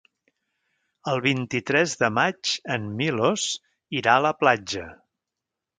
El vint-i-tres de maig en Milos irà a la platja.